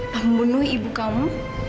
pembunuh ibu kamu